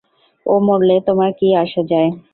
ও মরলে তোমার কী আসে-যায়?